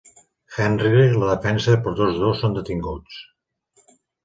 Henry la defensa però tots dos són detinguts.